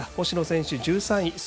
星野選手１３位。